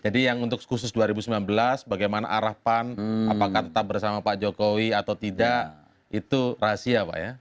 jadi yang untuk khusus dua ribu sembilan belas bagaimana arah pan apakah tetap bersama pak jokowi atau tidak itu rahasia pak ya